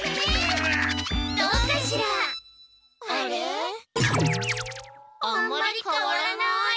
あんまりかわらない。